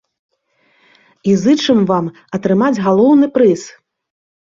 І зычым вам атрымаць галоўны прыз!